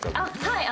はい。